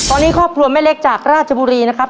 ตอนนี้ครอบครัวแม่เล็กจากราชบุรีนะครับ